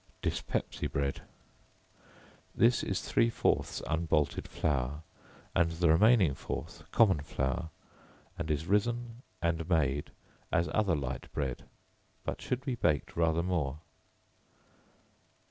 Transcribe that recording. Dyspepsy Bread. This is three fourths unbolted flour, and the remaining fourth common flour, and is risen and made as other light bread, but should be baked rather more.